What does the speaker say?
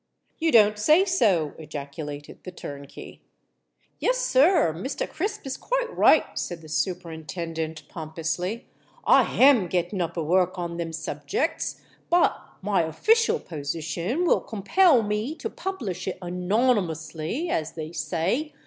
"You don't say so?" ejaculated the turnkey. "Yes, sir—Mr. Crisp is quite right," said the Superintendent, pompously: "I ham getting up a work on them subjects; but my official po sition will compel me to publish it enonnymusly, as they say.